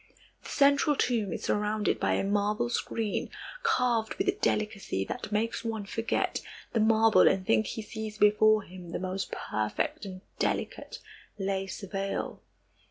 The central tomb is surrounded by a marble screen carved with a delicacy that makes one forget the marble and think he sees before him the most perfect and delicate lace veil.